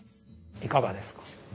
いかがですか？